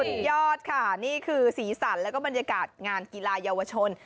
สุดยอดค่ะนี่คือสีสันแล้วก็บรรยากาศงานกีฬาเยาวชน